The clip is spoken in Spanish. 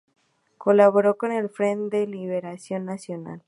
Colaboró con el Frente de Liberación Nacional.